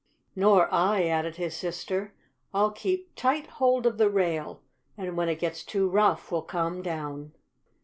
"Nor I," added his sister. "I'll keep tight hold of the rail, and when it gets too rough we'll come down."